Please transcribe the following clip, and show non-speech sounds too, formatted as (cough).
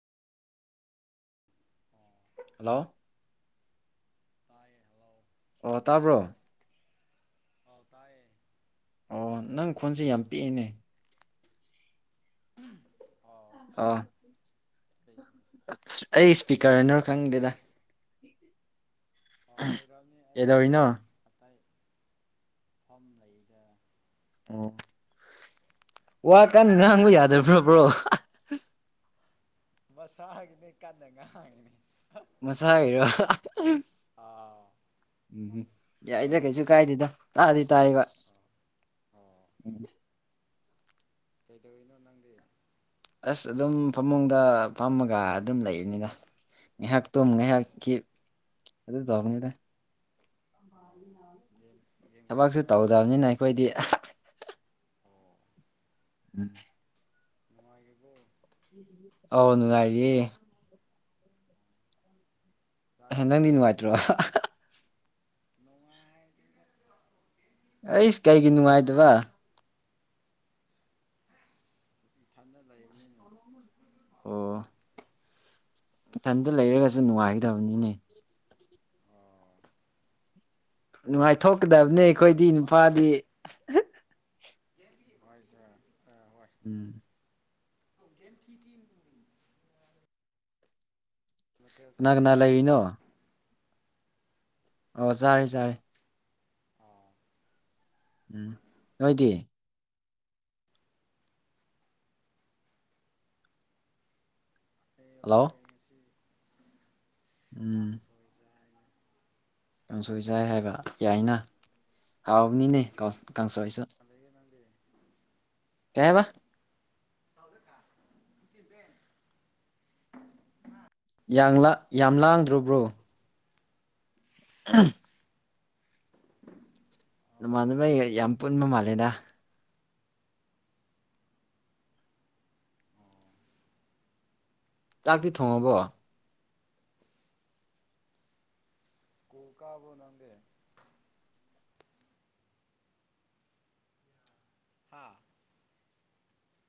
(unintelligible) hello ꯇꯥꯏꯌꯦ hello ꯑꯣ ꯇꯥꯕ꯭ꯔꯣ ꯑꯧ ꯇꯥꯏꯌꯦ ꯑꯣ ꯅꯪ ꯈꯣꯟꯁꯦ ꯌꯥꯝ ꯄꯤꯛꯏꯅꯦ (unintelligible) ꯑꯁ ꯑꯩ ꯁ꯭ꯄꯤꯛꯀꯔ ꯅꯥꯔ ꯈꯪꯗꯦꯗ ꯑꯣ ꯑꯣꯏꯔꯝꯅꯤ ꯑꯩ ꯀꯩꯗꯧꯔꯤꯅꯣ ꯑꯁ ꯑꯇꯩ ꯐꯝ ꯂꯩꯇꯦꯗ ꯑꯣ ꯋꯥ ꯀꯟ ꯉꯥꯡꯕ ꯅꯪꯗꯤ ꯌꯥꯗꯕ꯭ꯔ ꯕ꯭ꯔꯣ ꯃꯁꯥꯒꯤꯅꯦ ꯀꯟꯅ ꯉꯥꯡꯉꯤꯅꯦ ꯃꯁꯥꯒꯤꯔꯣ ꯑꯥꯎ ꯎꯝ ꯌꯥꯏꯗ ꯎꯝ ꯀꯩꯁꯨ ꯀꯥꯏꯗꯦꯗ ꯇꯥꯗꯤ ꯇꯥꯏꯌꯦꯕ ꯑꯣ ꯎꯝ ꯀꯩꯗꯧꯔꯤꯅꯣ ꯅꯪꯗꯤ ꯑꯁ ꯑꯗꯨꯝ ꯐꯃꯨꯡꯗ ꯐꯝꯃꯒ ꯑꯗꯨꯝ ꯂꯩꯕꯅꯤꯗ ꯉꯥꯏꯍꯥꯛ ꯇꯨꯝ ꯉꯥꯏꯍꯥꯛ ꯀꯤꯞ ꯑꯗꯨ ꯇꯧꯕꯅꯤꯗ ꯑꯣ ꯒꯦꯝ ꯒꯦꯝꯒꯨꯝꯕ ꯊꯕꯛꯁꯨ ꯁꯥꯟꯅꯗꯦ ꯇꯧꯗꯕꯅꯤꯅ ꯑꯩꯈꯣꯏꯗꯤ ꯑꯣ ꯎꯝ ꯅꯨꯡꯉꯥꯏꯔꯤꯕꯣ ꯑꯥꯎ ꯅꯨꯡꯉꯥꯏꯔꯤꯌꯦ ꯆꯥꯛꯇꯤ ꯅꯪꯗꯤ ꯆꯥꯥꯔꯕꯣ ꯅꯨꯡꯉꯥꯏꯇ꯭ꯔꯣ ꯅꯨꯡꯉꯥꯏ ꯑꯩꯁ ꯀꯩꯒꯤ ꯅꯨꯡꯉꯥꯏꯇꯕ ꯏꯁ ꯏꯊꯟꯗ ꯂꯩꯥꯕꯅꯤꯅ ꯑꯣ ꯢꯊꯟꯗ ꯂꯩꯔꯒꯁꯨ ꯅꯨꯡꯉꯥꯏꯒꯗꯕꯅꯤꯅꯦ ꯑꯣ ꯅꯨꯡꯉꯥꯏꯊꯣꯛꯀꯗꯕꯅꯦ ꯑꯩꯈꯣꯏꯗꯤ ꯅꯨꯄꯥꯗꯤ ꯍꯣꯏꯁꯦ ꯑ ꯍꯣꯏ ꯎꯝ (unintelligible) ꯃꯊꯦꯜ ꯀꯅꯥ ꯀꯅꯥ ꯆꯥꯔꯒꯦ ꯂꯩꯔꯤꯅꯣ ꯑꯣ ꯆꯥꯔꯦ ꯆꯥꯔꯦ ꯑꯣ ꯎꯝ ꯅꯣꯏꯗꯤ ꯍꯜꯂꯣ ꯑꯩꯈꯣꯏꯗꯤ ꯉꯁꯤ ꯎꯝ ꯀꯥꯡꯁꯣꯏ ꯆꯥꯏ ꯀꯥꯡꯁꯣꯏ ꯆꯥꯏ ꯍꯥꯏꯕ ꯌꯥꯏꯅ ꯍꯥꯎꯕꯅꯤꯅꯦ ꯀꯥꯡ ꯀꯥꯡꯁꯣꯏꯁꯨ ꯂꯩꯌꯦ ꯅꯪꯗꯤ ꯀꯩ ꯍꯥꯏꯕ (unintelligible) ꯌꯥꯝ ꯂꯥꯡ ꯂꯥꯡꯗ꯭ꯔ ꯕ꯭ꯔꯣ ꯑꯣ ꯎꯝ ꯑꯣ ꯅꯃꯥꯟꯅꯕꯒꯩ ꯌꯥꯝ ꯄꯨꯟꯕ ꯃꯥꯜꯂꯦꯗ ꯑꯣ ꯆꯥꯛꯇꯤ ꯊꯣꯡꯉꯕꯣ ꯎ ꯀꯥꯕꯔꯣ ꯅꯪꯗꯤ ꯍꯥꯥ